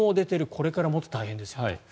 これからもっと大変ですよと。